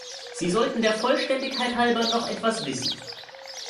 Sie sollten der Vollständigkeit halber noch etwas wissen.